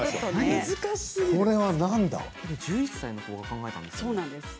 １１歳の子が考えたんですよね。